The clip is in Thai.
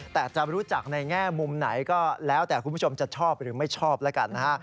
แต่จะรู้จักในแง่มุมไหนก็แล้วแต่คุณผู้ชมจะชอบหรือไม่ชอบแล้วกันนะฮะ